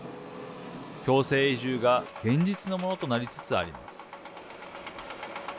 強制移住が現実のものとなりつつあります。